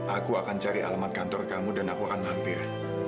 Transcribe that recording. aku akan cari alamat kantor kamu dan aku akan mampir